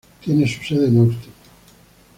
Tiene su sede en Austin.